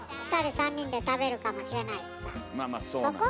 ２人３人で食べるかもしれないしさ。